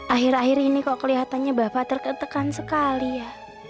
akhir akhir ini kok kelihatannya bapak tertekan sekali ya